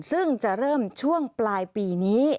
ซึ่งจะเริ่มช่วงปลายปีนี้